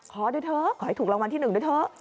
ด้วยเถอะขอให้ถูกรางวัลที่๑ด้วยเถอะ